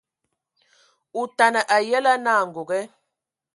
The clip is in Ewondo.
Otana a yǝlǝ anǝ angoge,